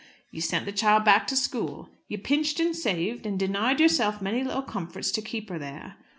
You sent the child back to school. You pinched, and saved, and denied yourself many little comforts to keep her there.